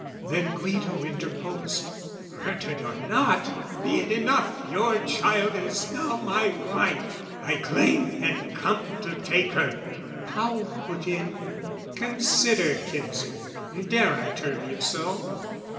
The Guido interposed "Murdered or not, "Be it enough your child is now my wife! "I claim and come to take her." Paul put in, "Consider kinsman, dare I term you so?